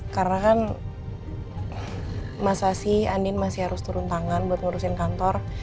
karena kan masa sih andin masih harus turun tangan buat ngurusin kantor